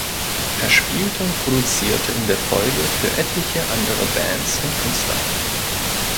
Er spielte und produzierte in der Folge für etliche andere Bands und Künstler.